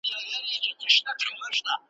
پیر اغوستې ګودړۍ وه ملنګینه `